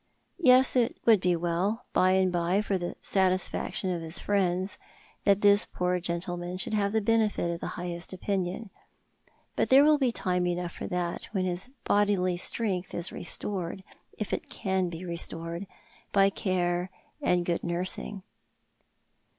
" Yes, it would be well, by and by, for the satisfaction of his friends, that this i:)oor gentleman should have the benefit of the highest opinion. But there will be time enough for that when his bodily strength is restored, if it can be restored, by care and good nursing."